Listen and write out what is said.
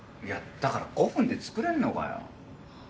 いやだから５分で作れんのかよ？